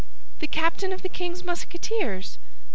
"The captain of the king's Musketeers?"